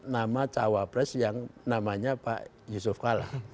nama cawa pres yang namanya pak yusuf kala